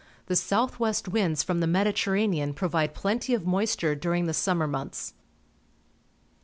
The south west winds from the Mediterranean provide plenty of moisture during the summer months.